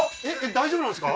大丈夫なんですか？